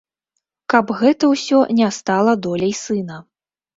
Каб гэта ўсё не стала доляй сына.